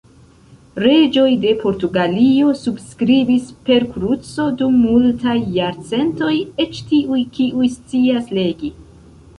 Reĝoj de Portugalio subskribis per kruco dum multaj jarcentoj, eĉ tiuj kiuj scias legi.